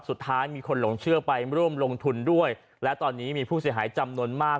สุดท้ายมีคนหลงเชื่อไปร่วมลงทุนด้วยและตอนนี้มีผู้เสียหายจำนวนมาก